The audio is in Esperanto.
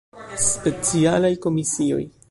Specialaj Komisioj.